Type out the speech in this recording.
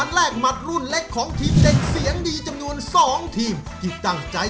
หมอปนกล้องยกกำลังส่าว